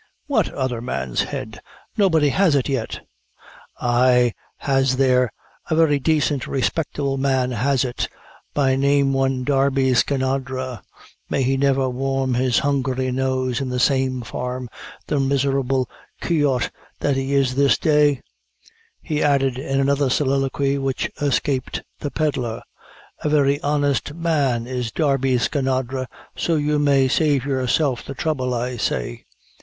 "What other man's head? nobody has it yet." "Ay, has there a very daicent respectable man has it, by name one Darby Skinadre. (May he never warm his hungry nose in the same farm, the miserable keowt that he is this day," he added in another soliloquy, which escaped the pedlar): "a very honest man is Darby Skinadre, so you may save yourself the trouble, I say."